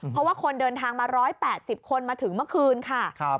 เพราะว่าคนเดินทางมา๑๘๐คนมาถึงเมื่อคืนค่ะ